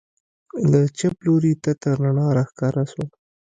له چپ لوري تته رڼا راښکاره سوه.